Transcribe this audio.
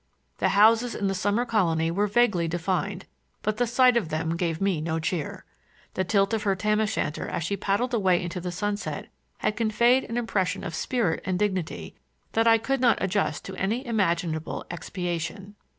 The houses in the summer colony were vaguely defined, but the sight of them gave me no cheer. The tilt of her tam o' shanter as she paddled away into the sunset had conveyed an impression of spirit and dignity that I could not adjust to any imaginable expiation.